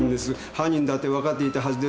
犯人だって分かっていたはずですよ。